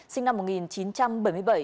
sinh năm một nghìn chín trăm bảy mươi bảy